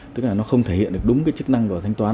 tức là nó không thể hiện được đúng cái chức năng của thanh toán